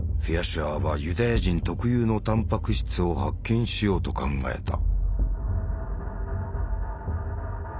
シュアーはユダヤ人特有のタンパク質を発見しようと考えた。